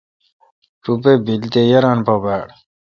روپہ بیل تو تے یاران پہ باڑ۔